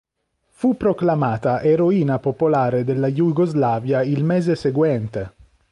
Fu proclamata eroina popolare della Jugoslavia il mese seguente.